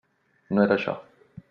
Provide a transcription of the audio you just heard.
No era això.